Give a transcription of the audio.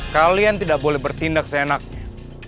kalian tidak boleh bertindak seenaknya